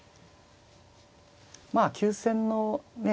まあ急戦のね